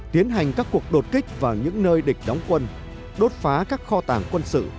tiến hành các cuộc đột kích vào những nơi địch đóng quân đốt phá các kho tàng quân sự